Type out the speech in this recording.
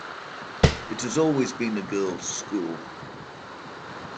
It has always been a girls' school.